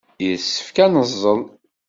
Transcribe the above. Yessefk ad neẓẓel.